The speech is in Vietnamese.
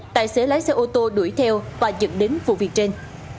tài xế lái xe ô tô đuổi theo và dẫn đến vụ việc trên